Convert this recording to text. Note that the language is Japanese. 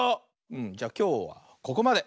うんじゃきょうはここまで。